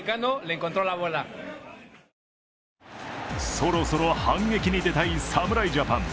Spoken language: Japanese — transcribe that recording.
そろそろ反撃に出たい侍ジャパン。